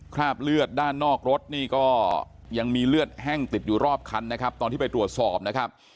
คราบเลือดด้านนอกรถนี่ก็ยังมีเลือดแห้งติดอยู่รอบคันนะครับตอนที่ไปตรวจสอบนะครับ